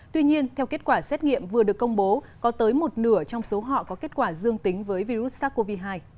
tuy nhiên theo kết quả xét nghiệm vừa được công bố có tới một nửa trong số họ có kết quả dương tính với virus sars cov hai